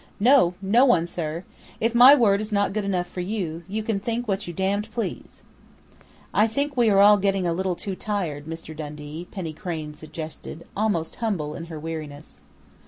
"No, no one, sir! If my word is not good enough for you, you can think what you damned please!" "I think we are all getting a little too tired, Mr. Dundee," Penny Crain suggested, almost humble in her weariness.